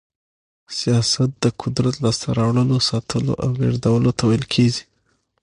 سياست د قدرت لاسته راوړلو، ساتلو او لېږدولو ته ويل کېږي.